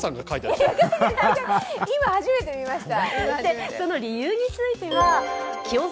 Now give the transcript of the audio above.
今、初めて見ました。